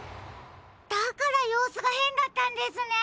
だからようすがへんだったんですね！